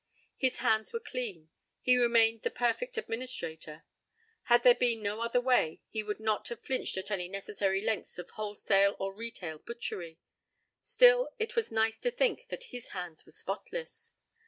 His hands were clean. He remained the perfect administrator. Had there been no other way, he would not have flinched at any necessary lengths of wholesale or retail butchery. Still, it was nice to think that his hands were spotless.